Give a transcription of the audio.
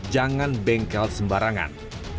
jangan bengkel sembarangan